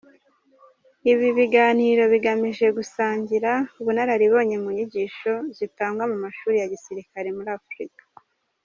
Ibi biganiro bigamije gusangira ubunararibonye mu nyigisho zitangwa mu mashuri ya gisirikare muri Afurika.